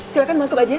silahkan masuk aja ya